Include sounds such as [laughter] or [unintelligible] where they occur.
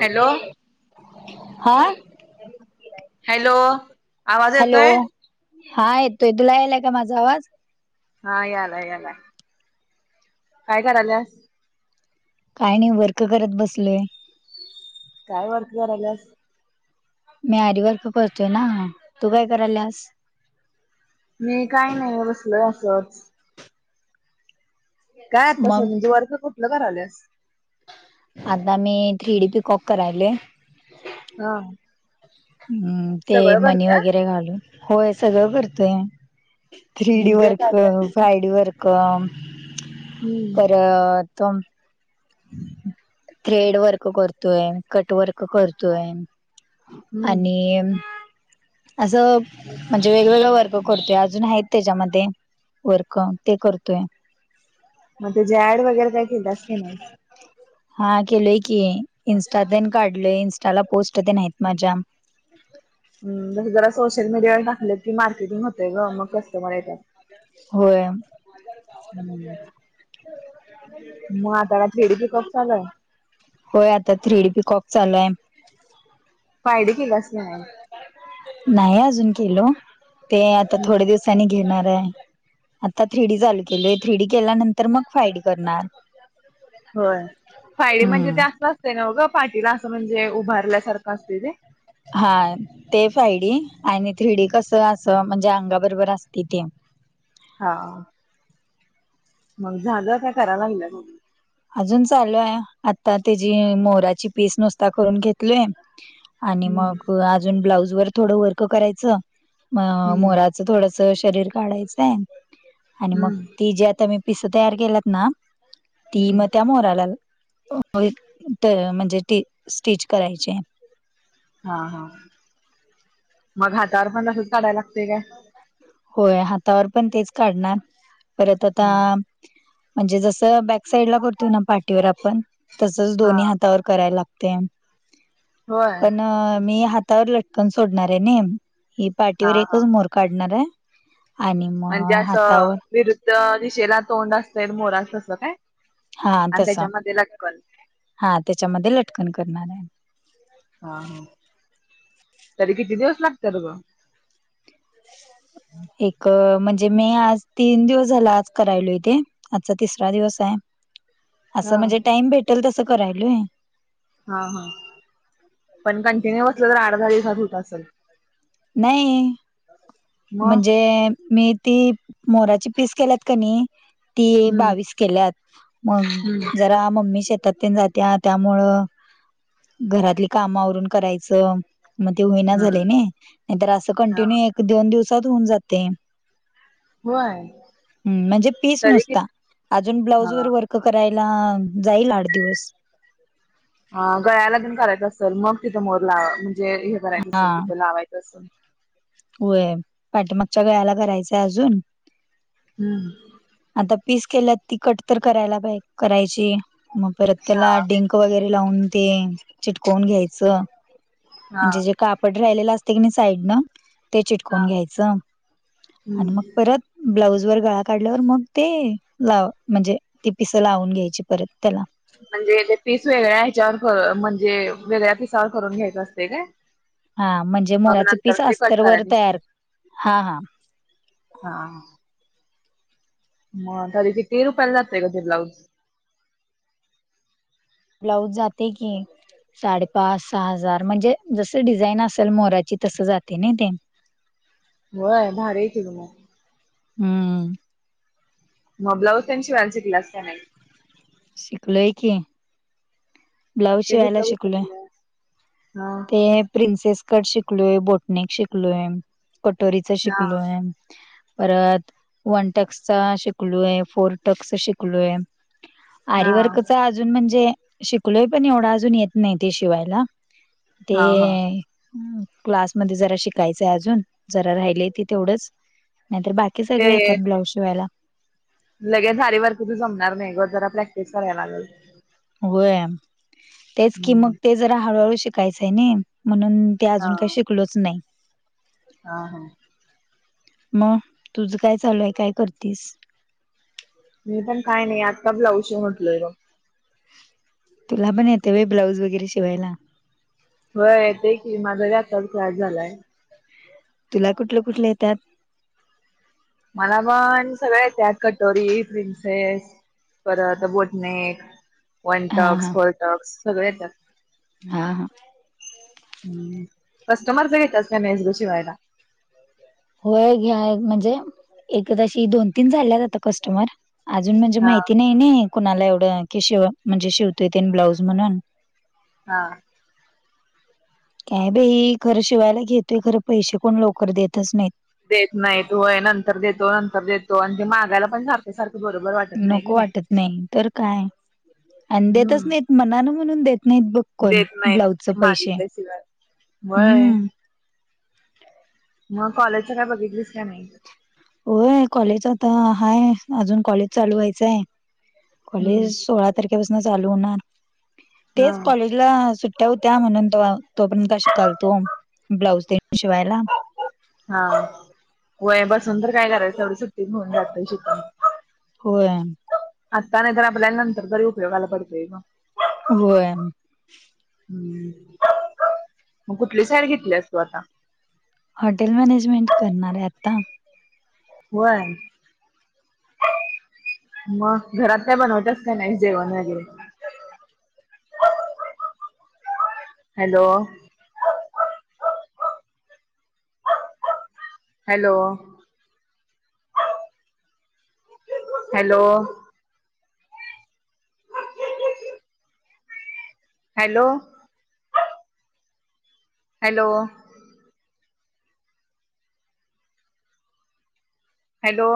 Hello आ hello आवाज hello येतोय हा येतोय तुला यालाय का माझा आवाज हा यालाय यालाय काय कराल्यास. काय नाही वर्क करत बसलोय. काय वर्क करायल्यास. मी आरीवर्क करतोय ना तू काय कराल्यास. मी काही नाही बसलोय असंच. काय आता मग सं म्हज वर्क कुठलं कराल्यास. आता मी थेरी पीकॉक करालोय. हा हम्म ते सगळं मणी करत्यास वगैरे घालून. होय सगळं करतोय. थ्री डी म्हणजे वर्क काय काय करत्यास फाय डी वर्क क हम्म परत [unintelligible] थ्रेड वर्क करतोय. कट वर्क करतोय. हम्म आणि असं म्हणजे वेगवेगळ वर्क करतोय अजून आहेत त्याच्यामध्ये वर्क ते करतोय. म त्याची ऍड वगैरे काय केल्यास की नाही. हा केलोय की इन्स्टा तेन काढलोय इंस्टाला पोस्ट तेन हैत. [unintelligible] हम्म म्हणजे जरा सोशल मीडियावर टाकलं की मार्केटिंग होतय ग मग कस्टमर येत्यात. होय हम्म मग आता काय थ्री डी पीकॉक चालू हाय होय आता थ्री डी पीकॉक चालू हाय फायडी केलास काय नाही? नाही अजून केलो, ते आता हम्म थोडया दिवसांनी घेणार हाय. आता थ्रीडी चालू केलय, थ्रीडी केल्यानंतर मग फाईडी करणार. होय, फ्रायडे म्हणजे हम्म ते असं असतय नव्ह गं, पाठीला असं म्हणजे उभारल्यासारखं असते ते. हा, ते फ्रायडी आणि थ्रीडी कसं असं म्हणजे अंगा बरोबर असते ते. हा. मग झालं काय कराय लागल्यात. अजून चालू हाय. आता त्येजी मोराची पीस नुसता करून घेतलेय. आणि हम्म. मग, अजून ब्लाऊज वर थोडं वर्क करायचं म हम्म मोरा च, थोडस शरीर काढायचाय आणि मग हम्म ती जी आता मी पिस तयार केल्यात ना. ती हम्म मग त्या मोराला, म, त, म्हणजे टी, स्टिच करायचे. हा, हा मग हातावर पण असच काढाय लागतय काय? होय हातावर पण तेच काढणार, परत आता म्हणजे जस बॅक साईड ला करतोय ना पाठीवर आपण, तसच हा दोन्ही हातावर कराय लागतय. होय पण, मी हातावर लटकन सोडणार आहे नि. ही हा पाठीवर हा. एकच मोर काढणार हाय. म्हणजे असं, विरुद्ध दिशेला तोंड असतय मोराच तसं काय? हा आणि तस, त्याच्यामध्ये लटकन हा त्याच्यामध्ये लटकन करणार हाय. हा, हा तरी किती दिवस लागत्यात गं? एक म्हणजे मी आज तीन दिवस झाल आज करायलो ते. आजचा तिसरा दिवस हाय. [unintelligible] असं म्हणजे टाइम भेटेल तसं करायलोय. हा, हा पण कंटिन्यू बसलं तर आठ -दहा दिवसात हुत असल. नाही, मग म्हणजे मी ती मोराची पीस केल्यात कनी ती हम्म बावीस केल्यात, मग हम्म जरा मम्मी शेतात तेन जाते त्या, त्यामुळ घरातली काम आवरून करायचं. मग ते होईना हम्म. झाले नही, नाही तर असं हा कंटिन्यू एक- दोन दिवसात होऊन जातय होय म्हणजे पीस तरी कि नुसता, अजून हा ब्लाउज वर वर्क करायला जाईल आठ दिवस. गळ्याला तेन करायचं असल, मग तिथं मोर ला म्हणजे हे करायचं हा असेल तिथं लावायचं असल? होय, पाठीमागच्या गळ्याला करायचंय अजून. हम्म. आता पीस केल्यात, ती कट तर करायला पा, करायची. मग परत हा त्याला डिंक वगैरे लावून ते चिटकवून घ्यायचं. हा आणि जे, जे काप पड राहिलेला असतय कणी साईडन ते हा चिटकून घ्यायचं, आणि मग हम्म परत ब्लाऊज वर गळा काढल्यावर मग ते, लाव म्हणजे ती पिस लावून घ्यायची परत त्येला. म्हणजे ते पीस वेगळ्या ह्याच्यावर, क, म्हणजे वेगळ्या पिसावर करून घ्यायचं असतय काय? हा, म्हणजे मग मोराचे नंतर पीस ते कट अस्तर वर करायचं असते तयार. हा, हा. हां. मग, तरी किती रुपयाला जातंय ग ते ब्लाउज? ब्लाऊज जातय की साडे-पाच, सहा हजार म्हणजे जस डिझाईन असल मोराची. तसं जातय नही ते. होय भारी आहे कि मग हम्म मग ब्लाऊज त्यां शिवायला शिकल्यास का नाही? शिकलोय कि ब्लाऊज ते शिवायला कुठलं कुठलं शिकलोय. केल्यास हा ते प्रिन्सेस कट शिकलोय बोटनेक शिकलोय कटोरीच हा शिकलोय. परत वन टक्सचा शिकलोय फोर टक्स शिकलोय. हा आरीवर्कचा अजून म्हणजे शिकलोय पण एवढा अजून येत नाही ते शिवायला ते हा हा क्लासमध्ये जरा शिकायचंय अजून जरा राहिले ते तेवढच नाहीतर बाकी ते सगळे येतात ब्लाऊज शिवायला लगेच अरी वर्कच जमणार नाही ग जरा प्रॅक्टिस करायला लागलं. होय तेच कि मग हम्म. ते जरा हळूहळू शिकायचंय ना म्हणून ते हा अजून काही शिकलोच नाही. हा हा मग तुझं काय चालू हाय काय करतीस? मी पण काय नाही आत्ता ब्लाऊशी शिवून बसलोय बघ तुला पण येतं होय ब्लाऊज वगैरे शिवायला. होय येत की माझा आताच क्लास झालाय. तुला कुठले कुठले येतात? मला पण सगळं येतात कटोरी प्रिन्सेस परत बोटनेक वन हा टक्स हा फोर टक्स सगळे येतात. हा हा हम्म कस्टमरच घेतल्यास का नाहीस ग शिवायला? होय घ्या म्हणजे एक तशी दोन तीन झाल्यात आता कस्टमर. अजून म्हणजे हा माहिती नाही ना कुणाला एवढं की शिव म्हणजे शिवतो ते ब्लाऊज म्हणून हा काय बाई खरं शिवायला घेतोय खरं पैसे कोण लवकर देतच नाहीत. देत नाही होय नंतर देतो नंतर देतो आणि ते मागायला पण सारखं सारखं ते सारखं बरोबर वाटतं नको वाटतं नाही तर काय आणि देतच हम्म नाहीत मनान म्हणून देत नाहीत बघ. कोण देत नाहीत ब्लाऊजच पैसेे मागितल्याशिवाय. व्हय. हम्म मग कॉलेजच्या काय बघितलीस का नाही? होय कॉलेज आता हाय अजून कॉलेज चालू व्हायचंय. हम्म. कॉलेज सोळा तारखेपासून चालू होणार हा तेच कॉलेज तिला सुट्टया होत्या म्हणून तर तो पण काय शिकालतो ब्लाउज ते शिवायला. हा होय बसून तर काय करायचं तेवढं सुट्टीत होऊन जातय शिकायचं. होय. आत्ता नाही तर आपल्याला नंतर तरी उपयोगाला पडतोय ग होय हम्म मग कुठली साईड घेतलीस तु आता? हॉटेल मॅनेजमेंट करणार आहे आता. होय मग घरात का बनवतेस काय नाही जेवण वगैरे? Hello! Hello! Hello! Hello! Hello! Hello!